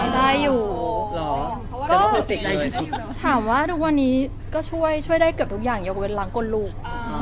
ได้อยู่แต่ว่าถามว่าทุกวันนี้ก็ช่วยช่วยได้เกือบทุกอย่างยกเว้นล้างก้นลูก